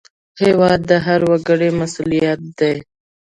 هېواد د هر وګړي مسوولیت دی.